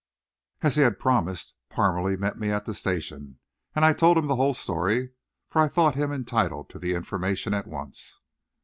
As he had promised, Parmalee met me at the station, and I told him the whole story, for I thought him entitled to the information at once.